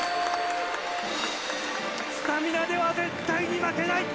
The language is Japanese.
スタミナでは絶対に負けない。